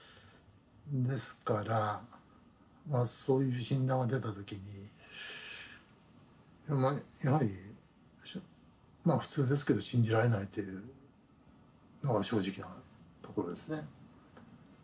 ですからまあそういう診断が出た時にやはりまあ普通ですけど信じられないというのが正直なところですね。